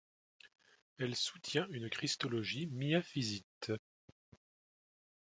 Elle soutient une christologie miaphysite.